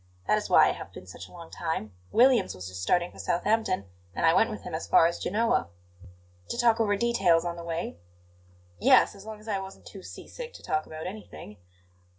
That is why I have been such a long time; Williams was just starting for Southampton, and I went with him as far as Genoa." "To talk over details on the way?" "Yes, as long as I wasn't too sea sick to talk about anything."